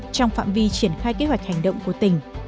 trong phạm vi triển khai kế hoạch hành động của tỉnh